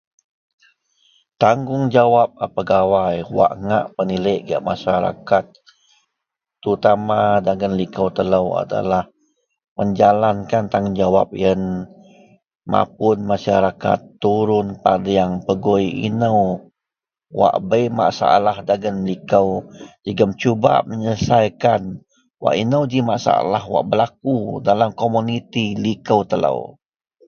. tanggugjawab a pegawai wak ngak peniliek gak masyarakat terutama dagen liko telou adalah menjalankan tanggungjawab ien mapun masyarakat turun padeng pegui inou wak bei masalah dagen liko jegum cubak bak meyelesaikan, wak inou ji masaalah berlaku dalam komuniti liko telou